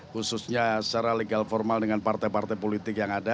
khususnya secara legal formal dengan partai partai politik yang ada